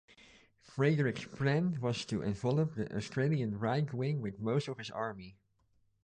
Frederick's plan was to envelop the Austrian right wing with most of his army.